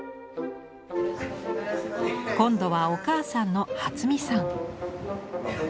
今度はお母さんの初美さん。